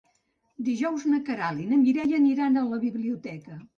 Dijous na Queralt i na Mireia aniran a la biblioteca.